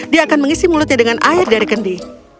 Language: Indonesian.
dia akan mengisi mulutnya dengan air dari kendi